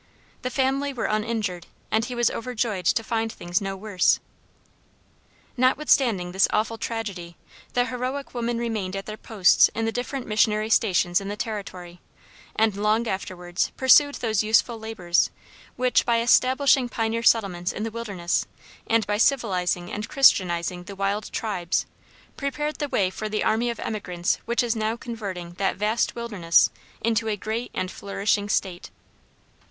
The family were uninjured; and he was overjoyed to find things no worse. Notwithstanding this awful tragedy the heroic women remained at their posts in the different missionary stations in the territory, and long afterwards pursued those useful labors which, by establishing pioneer settlements in the wilderness, and by civilizing and christianizing the wild tribes, prepared the way for the army of emigrants which is now converting that vast wilderness into a great and flourishing state.